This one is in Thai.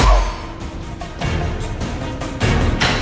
โอ้โห